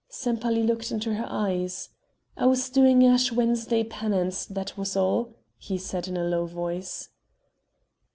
Sempaly looked into her eyes: "I was doing Ash Wednesday penance, that was all," he said in a low voice.